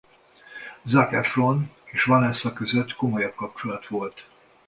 Zac Efron és Vanessa között komolyabb kapcsolat volt.